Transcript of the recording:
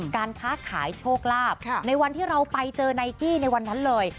การค้าขายโชคลาภในวันที่เราไปเจอไนกี้ในวันนั้นเลย